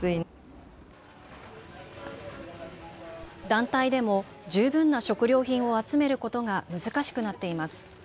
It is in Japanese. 団体でも十分な食料品を集めることが難しくなっています。